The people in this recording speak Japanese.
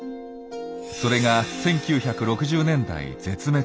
それが１９６０年代絶滅。